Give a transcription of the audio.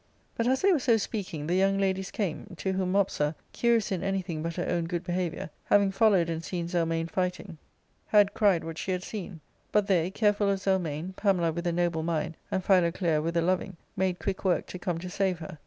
But, as they were so speaking, the young ladies came, to whom Mopsa, curious in anything but her own good be liaviour, having followed and seen Zelmane fighting, had ARCADIA.' Book IL 171 cried what she had seen. But they, careful of Zelmane, Pamela with a noble mind, and Philoclea with a loving, made quick work to come to save her.